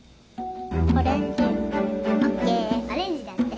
オレンジ。ＯＫオレンジだって。